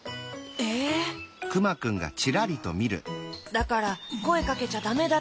だからこえかけちゃダメだって。